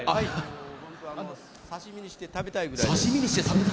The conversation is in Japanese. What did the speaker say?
刺身にして食べたいぐらい。